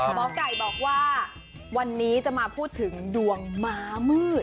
หมอไก่บอกว่าวันนี้จะมาพูดถึงดวงม้ามืด